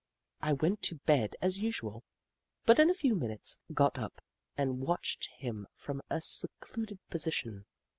I went to bed as usual, but in a few minutes got up and watched him from a secluded position.